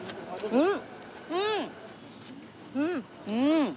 うん！